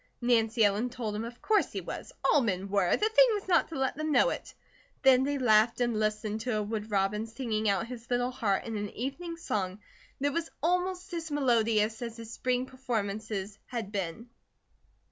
Nancy Ellen told him of course he was, all men were, the thing was not to let them know it. Then they laughed and listened to a wood robin singing out his little heart in an evening song that was almost as melodious as his spring performances had been.